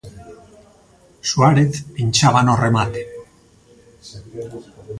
Suárez pinchaba no remate.